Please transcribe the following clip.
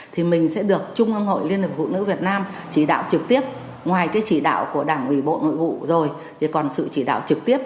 thì mình sẽ được trung ương hội liên hiệp phụ nữ việt nam chỉ đạo trực tiếp ngoài cái chỉ đạo của đảng ủy bộ nội vụ rồi thì còn sự chỉ đạo trực tiếp